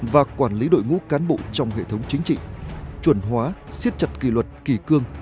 và quản lý đội ngũ cán bộ trong hệ thống chính trị chuẩn hóa siết chặt kỳ luật kỳ cương